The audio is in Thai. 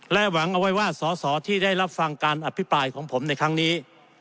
หวังเอาไว้ว่าสอสอที่ได้รับฟังการอภิปรายของผมในครั้งนี้